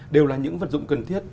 đều là những vật dụng cần thiết